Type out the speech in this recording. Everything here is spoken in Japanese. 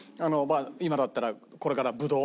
今だったらこれからブドウ。